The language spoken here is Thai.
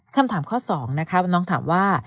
คำถามข้อสองนะครับน้องถามว่า